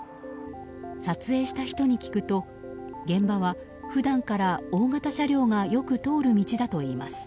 撮影した人に聞くと現場は普段から大型車両がよく通る道だといいます。